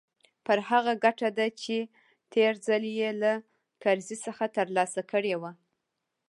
پر هغه ګټه ده چې تېر ځل يې له کرزي څخه ترلاسه کړې وه.